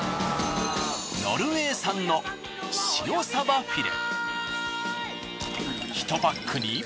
ノルウェー産の塩さばフィレ。